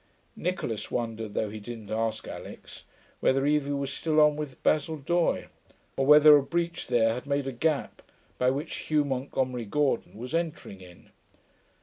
Nicholas wondered, though he didn't ask Alix, whether Evie was still on with Basil Doye, or whether a breach there had made a gap by which Hugh Montgomery Gordon was entering in.